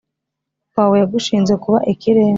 Papa wawe yagushinze kuba ikirenga